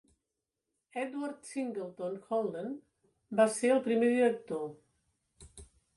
Edward Singleton Holden va ser el primer director.